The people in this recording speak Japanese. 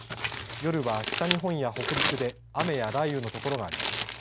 夜は北日本や北陸で雨や雷雨の所がありそうです。